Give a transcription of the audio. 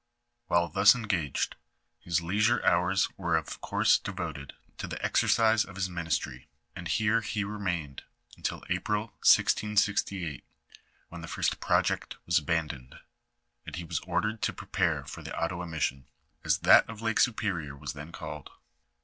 While thus engaged, his leisure houra were of course devoted to the exercise of his ministry, and here he remained until April, 1668, when the firet proj ect was abandoned, and he was ordered to prepare for the Ottawa mission, as that of Lake Superior was then called.